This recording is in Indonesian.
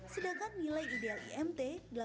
sedangkan nilai ideal imt